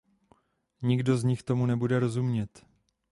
Nikdo z nich tomu nebude rozumět!